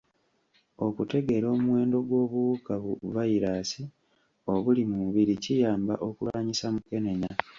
Okutegeera omuwendo gw'obuwuka bu vayiraasi obuli mu mubiri kiyamba okulwanyisa mukenenya.